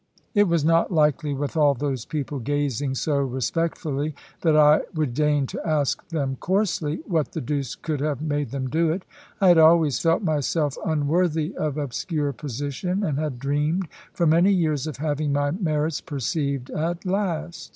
It was not likely, with all those people gazing so respectfully, that I would deign to ask them coarsely, what the deuce could have made them do it. I had always felt myself unworthy of obscure position, and had dreamed, for many years, of having my merits perceived at last.